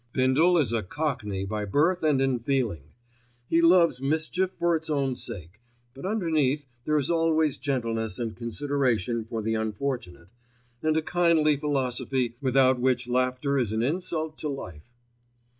Bindle is a cockney by birth and in feeling. He loves mischief for its own sake; but underneath there is always gentleness and consideration for the unfortunate, and a kindly philosophy without which laughter is an insult to life.